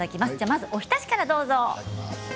まず、おひたしからどうぞ。